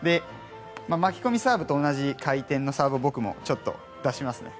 巻き込みサーブと同じ回転のサーブを僕も出しますね。